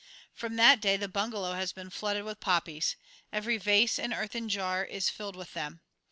From that day the bungalow has been flooded with poppies. Every vase and earthen jar is filled with them.